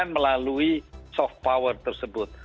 melalui soft power tersebut